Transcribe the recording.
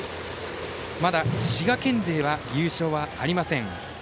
まだ滋賀県勢は優勝はありません。